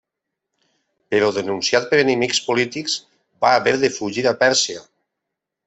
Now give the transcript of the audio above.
Però denunciat per enemics polítics va haver de fugir a Pèrsia.